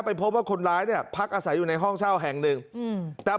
พบว่าคนร้ายเนี่ยพักอาศัยอยู่ในห้องเช่าแห่งหนึ่งอืมแต่